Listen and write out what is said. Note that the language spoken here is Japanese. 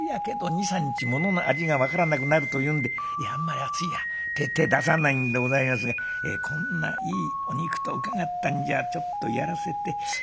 ２３日ものの味が分からなくなるというんであんまり熱いのには手出さないんでございますがこんないいお肉と伺ったんじゃちょっとやらせて頂きますか。